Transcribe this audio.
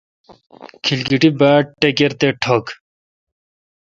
کھلکیٹی باڑٹکَِر تے ٹھو°گ ۔